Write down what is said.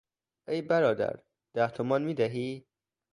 ای برادر، ده تومان میدهی؟